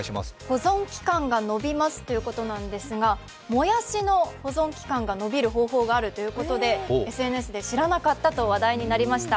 保存期間が伸びますということなんですがもやしの保存期間が延びる方法があるということでＳＮＳで「知らなかった」と話題になりました。